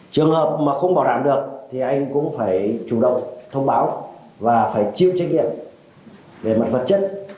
trường hợp mà không bảo đảm được thì anh cũng phải chủ động thông báo và phải chịu trách nhiệm về mặt vật chất